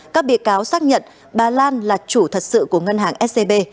các bị cáo xác nhận bà lan là chủ thật sự của ngân hàng scb